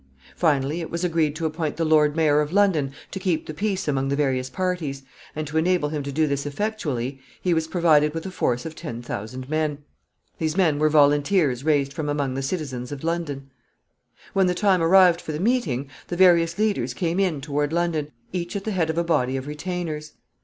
Finally, it was agreed to appoint the Lord mayor of London to keep the peace among the various parties, and, to enable him to do this effectually, he was provided with a force of ten thousand men. These men were volunteers raised from among the citizens of London. [Sidenote: Meeting of the nobles.] When the time arrived for the meeting, the various leaders came in toward London, each at the head of a body of retainers.